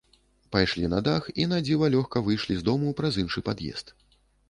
Пайшлі на дах і надзіва лёгка выйшлі з дому праз іншы пад'езд.